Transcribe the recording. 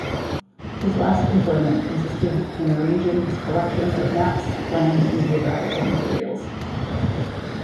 His last employment consisted in arranging his collection of maps, plans and geographical materials.